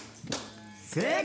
正解！